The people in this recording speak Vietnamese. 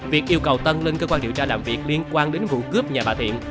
việc yêu cầu tân lên cơ quan điều tra làm việc liên quan đến vụ cướp nhà bà thiện